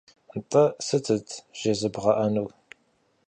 Нтӏэ сытыт жезыбгъэӏэнур?